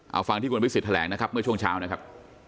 เอาฟังที่คุณอภิกษิตแถลงเมื่อช่วงเช้านะครับ